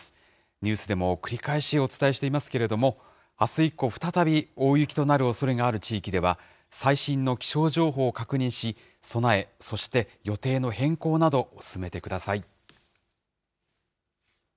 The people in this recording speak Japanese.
ニュースでも繰り返しお伝えしていますけれども、あす以降、再び大雪となるおそれがある地域では、最新の気象情報を確認し、備え、そして予定の変更など進めてください。